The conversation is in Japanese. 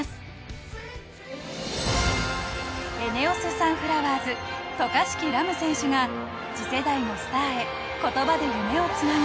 サンフラワーズ渡嘉敷来夢選手が次世代のスターへ言葉で夢をつなぐ。